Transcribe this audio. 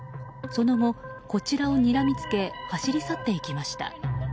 その後、こちらをにらみつけ走り去っていきました。